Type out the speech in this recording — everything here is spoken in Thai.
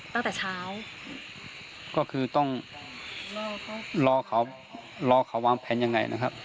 ตั้งแต่เช้าก็คือต้องรอเขารอเขารอเขาวางแผนยังไงนะครับ